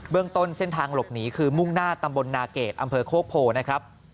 เรื่องต้นเส้นทางหลบหนีคือมุ่งหน้าตำบลนาเกรดอำเภอโคกโพนะครับ